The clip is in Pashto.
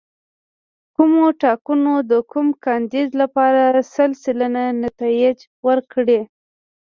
کومو ټاکنو د کوم کاندید لپاره سل سلنه نتایج ورکړي.